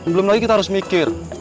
belum lagi kita harus mikir